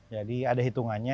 jadi ada hitungannya